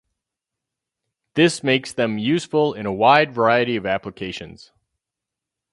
This makes them useful in a wide variety of applications.